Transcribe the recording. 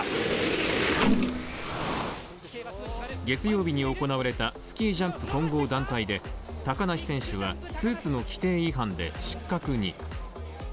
月曜日に行われたスキージャンプ混合で高梨選手はスーツの規定違反で失格に。